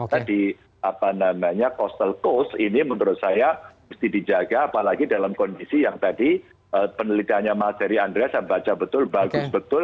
jadi apa namanya coastal coast ini menurut saya mesti dijaga apalagi dalam kondisi yang tadi penelitiannya mas heri andreas yang baca betul bagus betul